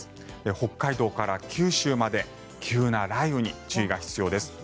北海道から九州まで急な雷雨に注意が必要です。